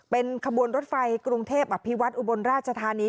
เป็นขบวนรถไฟกรุงเทพอภิวัตอุบลราชธานี